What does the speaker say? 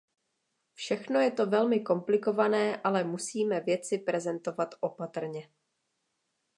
Všechno je to velmi komplikované, ale musíme věci prezentovat opatrně.